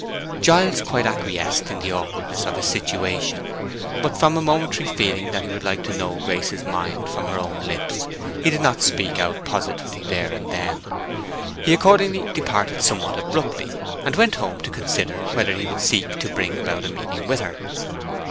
Giles quite acquiesced in the awkwardness of his situation. But from a momentary feeling that he would like to know Grace's mind from her own lips, he did not speak out positively there and then. He accordingly departed somewhat abruptly, and went home to consider whether he would seek to bring about a meeting with her.